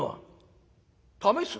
「試す？